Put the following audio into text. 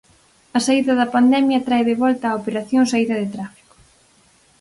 A saída da pandemia trae de volta a operación saída de tráfico.